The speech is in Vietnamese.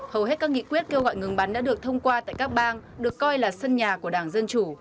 hầu hết các nghị quyết kêu gọi ngừng bắn đã được thông qua tại các bang được coi là sân nhà của đảng dân chủ